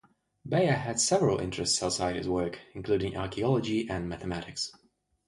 Bayer had several interests outside his work, including archaeology and mathematics.